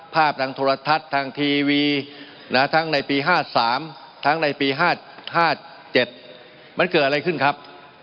ทางโทรทัศน์ทางทีวีทั้งในปี๕๓ทั้งในปี๕๗มันเกิดอะไรขึ้นครับ